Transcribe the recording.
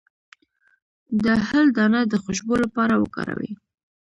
د هل دانه د خوشبو لپاره وکاروئ